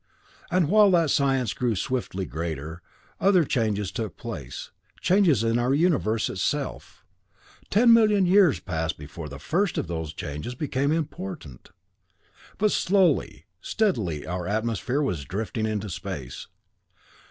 "And while that science grew swiftly greater, other changes took place, changes in our universe itself. Ten million years passed before the first of those changes became important. But slowly, steadily our atmosphere was drifting into space.